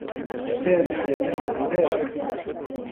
سامي ينام هناك.